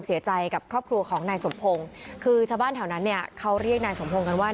เสียใจกับครอบครัวของนายสมพงศ์คือชาวบ้านแถวนั้นเนี่ยเขาเรียกนายสมพงษ์กันว่า